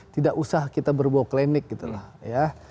tidak usah kita berbau klinik gitu lah ya